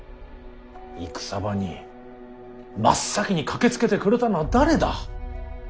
戦場に真っ先に駆けつけてくれたのは誰だ。